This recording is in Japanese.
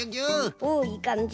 おおいいかんじ。